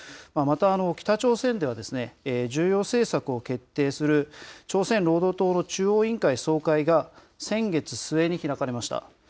また、北朝鮮では重要政策を決定する、朝鮮労働党の中央委員会総会が先月末に開かれました。